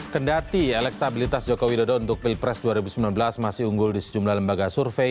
kendati elektabilitas joko widodo untuk pilpres dua ribu sembilan belas masih unggul di sejumlah lembaga survei